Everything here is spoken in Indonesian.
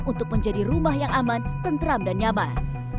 untuk menjadi rumah yang aman tentram dan nyaman